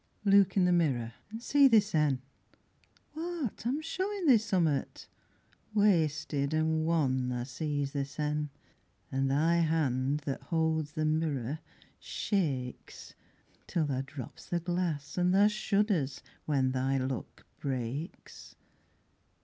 Look in the mirror an' see thy sen, What, I am showin' thee summat. Wasted an' wan tha sees thy sen, An' thy hand that holds the mirror shakes Till tha drops the glass and tha shudders when Thy luck breaks.